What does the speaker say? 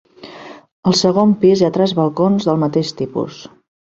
Al segon pis hi ha tres balcons del mateix tipus.